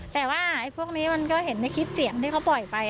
แต่ว่าพวกนี้มันก็เห็นในคลิปเสียงที่เขาปล่อยไป